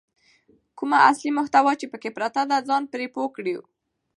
کومه اصلي محتوا چې پکې پرته ده ځان پرې پوه کړو.